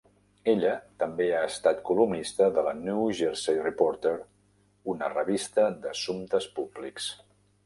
Ella també ha estat columnista de la "New Jersey Reporter", una revista d'assumptes públics.